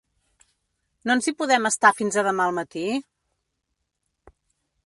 ¿No ens hi podem estar fins a demà al matí?